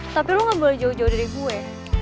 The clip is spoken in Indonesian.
tapi lo gak boleh jauh jauh dari gue